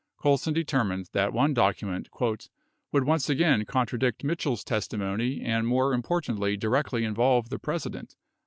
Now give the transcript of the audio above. Colson determined that one document "... would once again contradict Mitchell's testimony and more importantly directly involve the President